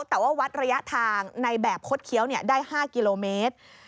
แต่ว่าวัดระยะทางในแบบคดเคี้ยวได้๕กิโลเมตร